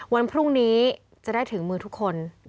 วันพรุ่งนี้จะได้ถึงมือทุกคน